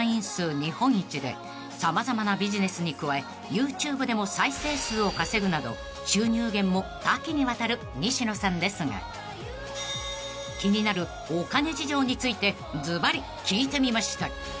［様々なビジネスに加えＹｏｕＴｕｂｅでも再生数を稼ぐなど収入源も多岐にわたる西野さんですが気になるお金事情についてずばり聞いてみました］